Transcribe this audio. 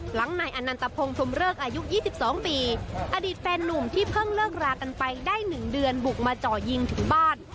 นายอนันตพงศ์พรมเริกอายุ๒๒ปีอดีตแฟนนุ่มที่เพิ่งเลิกรากันไปได้๑เดือนบุกมาจ่อยิงถึงบ้าน